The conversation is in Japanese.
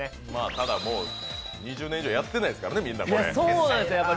ただもう、２０年以上やってないですからね、みんなも。